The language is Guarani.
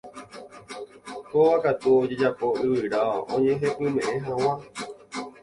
Kóva katu ojejapo yvyra ojehepymeʼẽ hag̃ua.